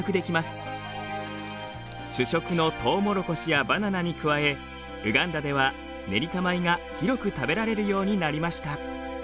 主食のトウモロコシやバナナに加えウガンダではネリカ米が広く食べられるようになりました。